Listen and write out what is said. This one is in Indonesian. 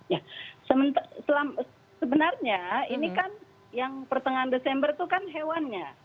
ya sebenarnya ini kan yang pertengahan desember itu kan hewannya